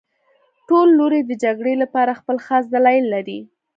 ټول لوري د جګړې لپاره خپل خاص دلایل لري